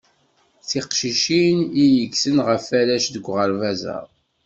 Tiqcicin i iggten ɣef arrac deg uɣerbaz-a.